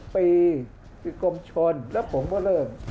ภาคอีสานแห้งแรง